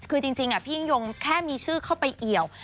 คือจริงพี่ยิ่งยงแค่มีชื่อเข้าไปเอี่ยว